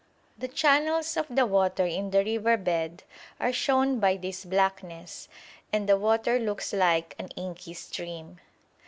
The channels of the water in the river bed are shown by this blackness, and the water looks like an inky stream.